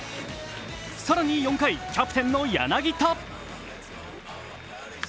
更に４回、キャプテンの柳田。